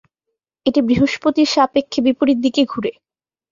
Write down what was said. এটি বৃহস্পতির সাপেক্ষে বিপরীত দিকে ঘুরে।